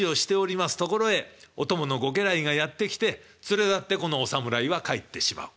ところへお供のご家来がやって来て連れ立ってこのお侍は帰ってしまう。